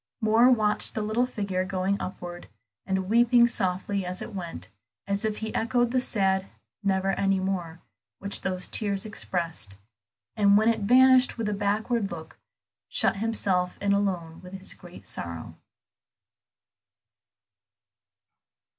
Moor watched the little figure going upward, and weeping softly as it went, as if he echoed the sad "never any more," which those tears expressed, and when it vanished with a backward look, shut himself in alone with his great sorrow.